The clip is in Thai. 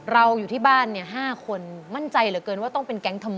เราอยู่ที่บ้านเนี่ยห้าคนมั่นใจเหลือเกินว่าต้องเป็นแก๊งท